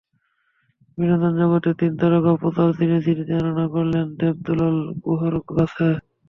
বিনোদনজগতের তিন তারকা পূজার দিনের স্মৃতিচারণা করলেন দেব দুলাল গুহর কাছে।